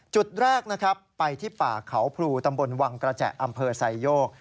จุดแรกนะครับไปที่ป่าเขาพลูตำบลวังกระแจอำเภอไซโยก